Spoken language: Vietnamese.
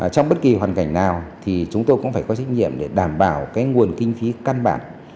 trong bất kỳ hoàn cảnh nào thì chúng tôi cũng phải có trách nhiệm để đảm bảo nguồn kinh phí căn bản